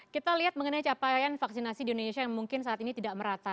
kita lihat mengenai capaian vaksinasi di indonesia yang mungkin saat ini tidak merata